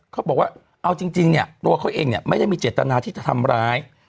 เขาบอกว่าเอาจริงเนี่ยตัวเขาเองเนี่ยไม่ได้มีเจตนาที่จะทำร้าย